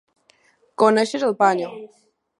Conèixer el «panyo».